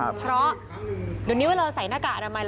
เดี๋ยวนี้เวลาเราใส่หน้ากากอดับมัน